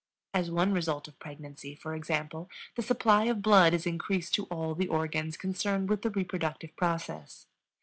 As one result of pregnancy, for example, the supply of blood is increased to all the organs concerned with the reproductive process.